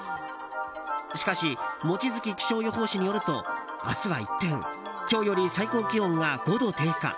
しかし、望月気象予報士によると明日は一転今日より最高気温が５度低下。